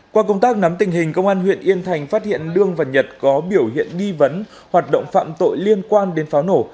qua công tác nắm tình hình công an huyện yên thành phát hiện đương và nhật có biểu hiện nghi vấn hoạt động phạm tội liên quan đến pháo nổ